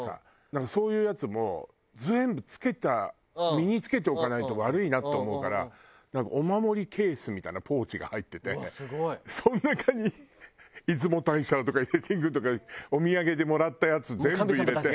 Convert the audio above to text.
なんかそういうやつも全部着けた身に着けておかないと悪いなって思うからお守りケースみたいなポーチが入っててその中に出雲大社とか伊勢神宮とかお土産でもらったやつ全部入れて。